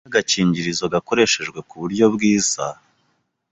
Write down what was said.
Iyo agakingirizo gakoreshejwe ku buryo bwiza